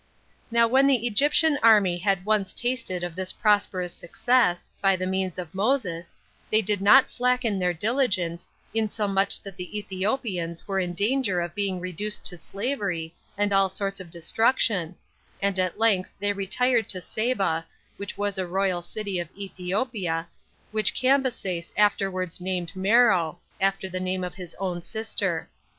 Now when the Egyptian army had once tasted of this prosperous success, by the means of Moses, they did not slacken their diligence, insomuch that the Ethiopians were in danger of being reduced to slavery, and all sorts of destruction; and at length they retired to Saba, which was a royal city of Ethiopia, which Cambyses afterwards named Mero, after the name of his own sister.